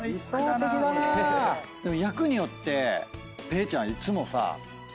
でも役によってぺーちゃんいつもさ。